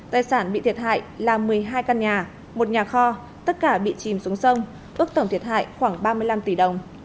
tài sản bị thiệt hại là một mươi hai căn nhà một nhà kho tất cả bị chìm xuống sông ước tổng thiệt hại khoảng ba mươi năm tỷ đồng